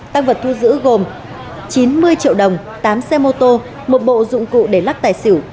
tăng vật thu giữ gồm chín mươi triệu đồng tám xe mô tô một bộ dụng cụ để lắc tài xỉu